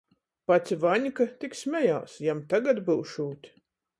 Pats Vaņka tik smejās — jam tagad byušūt